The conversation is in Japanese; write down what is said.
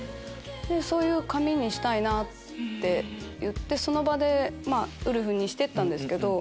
「そういう髪にしたいな」って言ってその場でウルフにしてったんですけど。